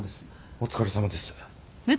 お疲れさまです。